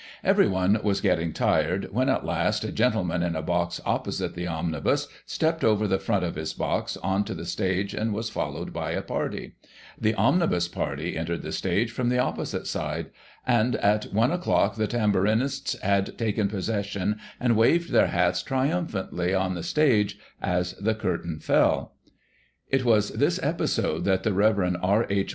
Everyone was getting tired, when, at last, a gentleman, in a box opposite the " Omnibus," stepped over the front of his box on to the stage, and was followed by a party ; the Omnibus " party entered the stage from the opposite side, and, at one o'clock, the Tamburinists had taken possession, and waved their hats triumphantly, on the stage, as the curtain fell. It was this episode that the Rev. R. H.